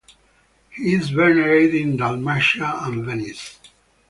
He is venerated in Dalmatia and Venice.